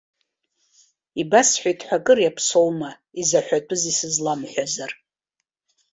Ибасҳәеит ҳәа акыр иаԥсоума, изаҳәатәыз исызламҳәазар.